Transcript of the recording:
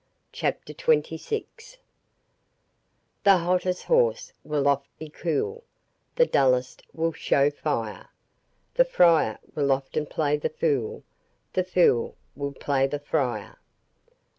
CHAPTER XXVI The hottest horse will oft be cool, The dullest will show fire; The friar will often play the fool, The fool will play the friar.